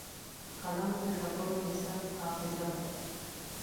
قلم د خبرو د ثبت حافظه ده